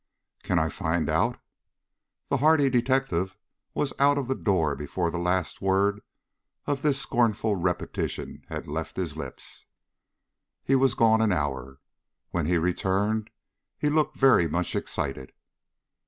"Can I find out?" The hardy detective was out of the door before the last word of this scornful repetition had left his lips. He was gone an hour. When he returned he looked very much excited.